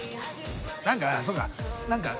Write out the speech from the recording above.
何かそうか。